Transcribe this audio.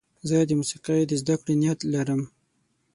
زه د موسیقۍ د زدهکړې نیت لرم.